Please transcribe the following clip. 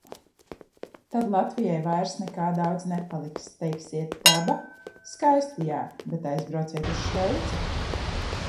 Tad Latvijai vairs nekā daudz nepaliks... Teiksiet daba? Skaisti jā, bet aizbrauciet uz Šveici.